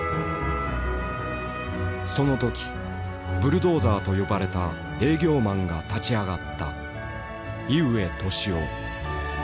その時「ブルドーザー」と呼ばれた営業マンが立ち上がった。